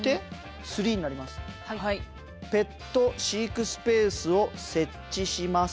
「ペット飼育スペースを設置します。